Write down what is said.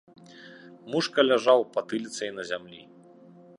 Мушка ляжаў патыліцай на зямлі.